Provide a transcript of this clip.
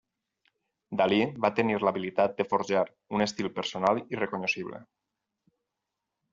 Dalí va tenir l'habilitat de forjar un estil personal i recognoscible.